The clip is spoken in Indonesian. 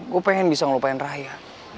gue pengen bisa ngelupain ray nya